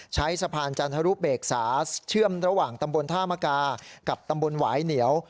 ใช้สะพานจันทรุเบกษาเชื่อมระหว่างตำบลท่ามกากับตำบลหวายเหนียว